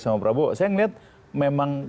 sama prabowo saya melihat memang